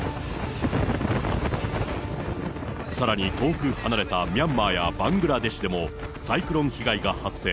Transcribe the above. さらに遠く離れたミャンマーやバングラデシュでもサイクロン被害が発生。